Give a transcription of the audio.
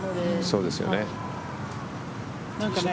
そうですね。